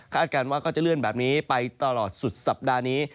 การว่าก็จะเลื่อนแบบนี้ไปตลอดสุดสัปดาห์นี้